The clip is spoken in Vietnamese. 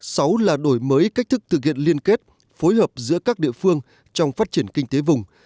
sáu là đổi mới cách thức thực hiện liên kết phối hợp giữa các địa phương trong phát triển kinh tế vùng